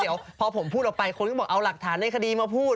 เดี๋ยวพอผมพูดออกไปคนก็บอกเอาหลักฐานในคดีมาพูด